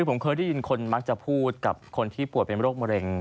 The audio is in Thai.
ผมเคยได้ยินคนมักจะพูดกับคนที่ป่วยเป็นโรคมะเร็ง